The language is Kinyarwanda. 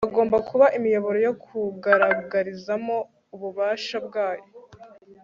bagomba kuba imiyoboro yo kugaragarizamo ububasha bwayo